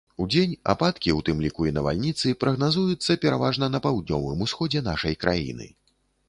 Удзень ападкі, у тым ліку і навальніцы, прагназуюцца пераважна на паўднёвым усходзе нашай краіны.